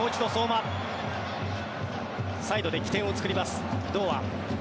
サイドで起点を作ります。